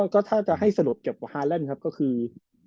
ก็ถ้าจะให้สรวจแบบฮาร์นแหล่นครับก็คือ